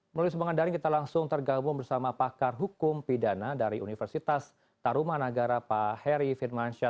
melalui sebuah daring kita langsung tergabung bersama pakar hukum pidana dari universitas taruman negara pak heri firmansyah